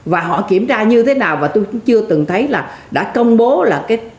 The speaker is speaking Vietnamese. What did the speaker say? và họ kiểm tra như thế nào và tôi cũng chưa từng thấy là đã công bố là